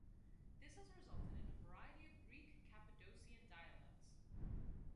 This has resulted in a variety of Greek Cappadocian dialects.